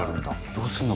どうするの？